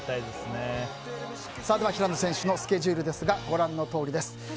では平野選手のスケジュールですがご覧のとおりです。